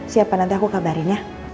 siapa nanti aku kabarin ya